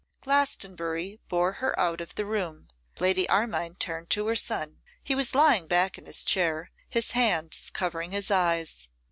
Glastonbury bore her out of the room; Lady Armine turned to her son. He was lying back in his chair, his hands covering his eyes.